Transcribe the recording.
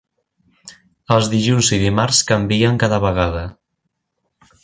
Els dilluns i dimarts canvien cada vegada.